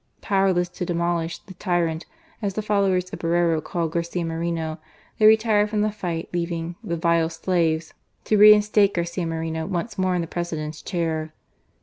Powerless to demolish "the tj'rant," as the followers of Borrero called Garcia Moreno, they retired from the fight, leaving the "vile slaves" to reinstate Garcia Moreno once more in the President's chair.